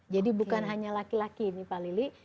jadi bukan hanya laki laki ini pak lilik